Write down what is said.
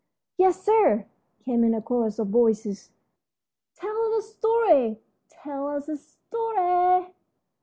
"Yes, sir," came in a chorus of voices. Then, "Tell us a story; tell us a story!"